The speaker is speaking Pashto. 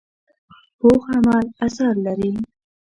پوخ عمل اثر لري